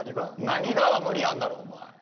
「何が？」は無理あんだろう。